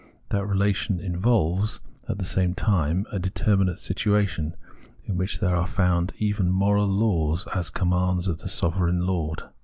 That relation involves, at the same time, a determinate situation, in which there are found even moral laws, as commands of the sovereign lord.